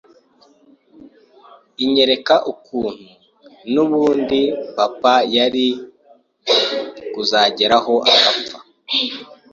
inyereka ukuntu n’ubundi papa yari kuzageraho agapfa